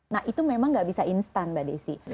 nah itu memang nggak bisa instan mbak desy